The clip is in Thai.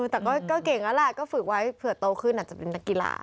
แต่ก็เก่งแล้วแหละก็ฝึกไว้เผื่อโตขึ้นอาจจะเป็นนักกีฬา